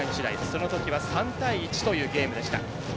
そのときは３対１というゲームでした。